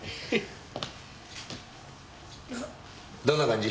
どんな感じ？